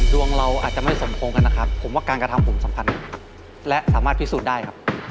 ดวงเราอาจจะไม่สมคงกันนะครับผมว่าการกระทำผมสำคัญและสามารถพิสูจน์ได้ครับ